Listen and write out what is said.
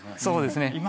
そうですね。